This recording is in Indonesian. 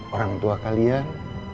orang tua kalian